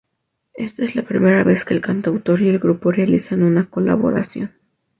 Esta es la primera vez que el cantautor y el grupo realizan una colaboración.